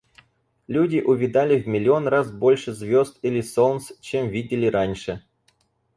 Люди увидали в миллион раз больше звезд, или солнц, чем видели раньше.